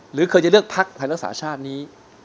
หรือเคยจะเลือกพรรคไทยและสาชาธิ์นี้